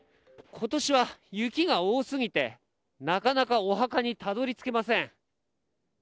今年は雪が多すぎてなかなかお墓にたどり着けません。